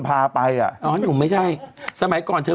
เป็นการกระตุ้นการไหลเวียนของเลือด